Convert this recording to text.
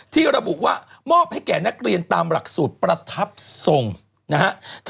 ที่ระบุว่ามอบให้แก่นักเรียนตามหลักสูตรประทับทรงนะฮะ